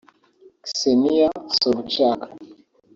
Ksenia Sobchak